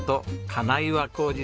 金岩宏二さん